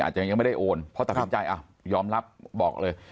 อาจจะยังไม่ได้โอนเพราะตัดสินใจยอมรับบอกเลย